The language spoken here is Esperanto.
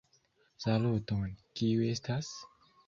Saluton, kiu estas?